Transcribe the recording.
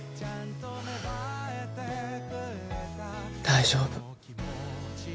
大丈夫。